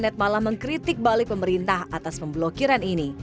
telah mengkritik balik pemerintah atas pemblokiran ini